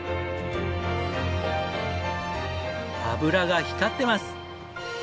脂が光ってます！